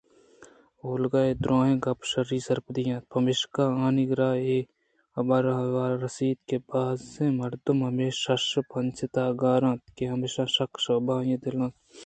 اولگا اے دُرٛاہیں گپاں شرّیءَ سرپد اِنت پمیشکا آئی ءَ را اے حبر ءِاحوال رست کہ بازیں مردم ہمے شش ءُپنچ ءِ تہا گار اِنت ہما شک ءُشبہ آئی ءِ دل ءَ اَنت